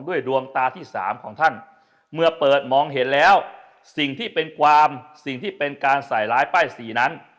ดวงตาที่สามของท่านเมื่อเปิดมองเห็นแล้วสิ่งที่เป็นความสิ่งที่เป็นการใส่ร้ายป้ายสีนั้น